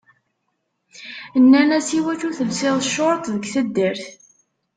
Nnan-as iwacu telsiḍ short deg taddart.